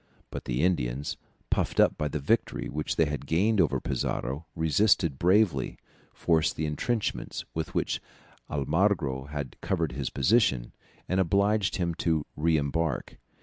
But the Indians, puffed up by the victory which they had gained over Pizarro, resisted bravely, forced the entrenchments with which Almagro had covered his position, and obliged him to re embark.